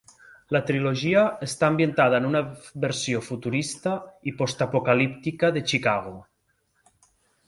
La trilogia està ambientada en una versió futurista i postapocalíptica de Chicago.